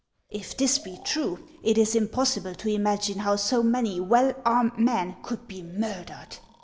If this be true, it is impossible to imagine how so many well armed men could be murdered.